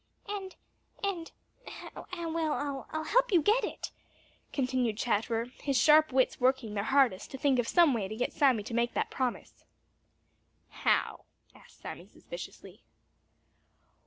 "And—and—well, I'll help you get it," continued Chatterer, his sharp wits working their hardest to think of some way to get Sammy to make that promise. "How?" asked Sammy suspiciously.